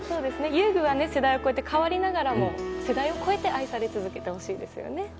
遊具は世代を超えて変わりながらも世代を超えて愛され続けてほしいですよね。